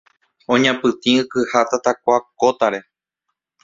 Oñapytĩ ikyha tatakua kótare